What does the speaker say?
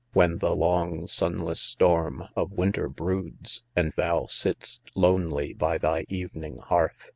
When the long sunless storm of winter broods. And thou sitt'st lonely by thy evening hearth.